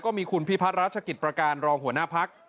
มีคุณพิพัฒนราชกิจประการรองหัวหน้าพัก